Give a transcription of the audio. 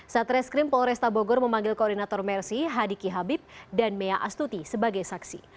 satreskrim polres kota bogor memanggil koordinator mercy hadiki habib dan mea astuti sebagai saksi